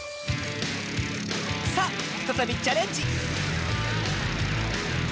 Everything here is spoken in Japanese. さあふたたびチャレンジ！